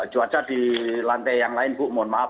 cuaca di lantai yang lain bu mohon maaf